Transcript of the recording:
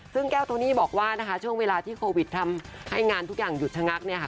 ซึ่งแก้วโทนี่บอกว่านะคะช่วงเวลาที่โควิดทำให้งานทุกอย่างหยุดชะงักเนี่ยค่ะ